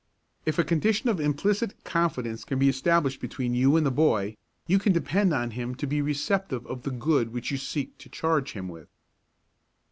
If a condition of implicit confidence can be established between you and the boy, you can depend upon him to be receptive of the good which you seek to charge him with.